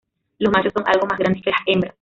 Los machos son algo más grandes que las hembras.